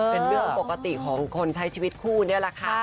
เป็นเรื่องปกติของคนใช้ชีวิตคู่นี่แหละค่ะ